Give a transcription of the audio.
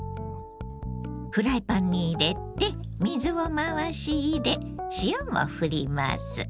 フライパンに入れて水を回し入れ塩もふります。